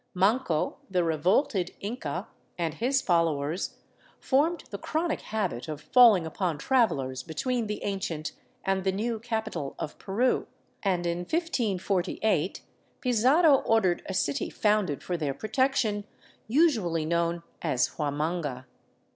Manco, the revolted Inca, and his followers formed the chronic habit of falling upon travelers be tween the ancient and the new capital of Peru, and in 1548 Pizarro ordered a city founded for their protection, usually known as Hua manga.